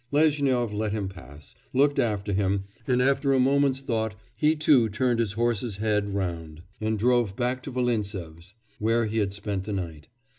Lezhnyov let him pass, looked after him, and after a moment's thought he too turned his horse's head round, and drove back to Volintsev's, where he had spent the night.